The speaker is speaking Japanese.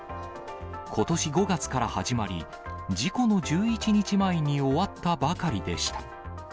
ことし５月から始まり、事故の１１日前に終わったばかりでした。